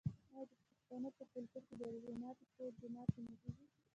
آیا د پښتنو په کلتور کې د روژې ماتی په جومات کې نه کیږي؟